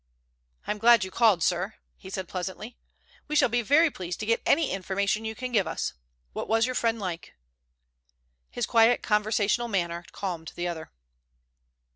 "I am glad you called, sir," he said pleasantly. "We shall be very pleased to get any information you can give us. What was your friend like?" His quiet, conversational manner calmed the other.